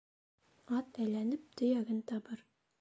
Ат әйләнеп, төйәген табыр.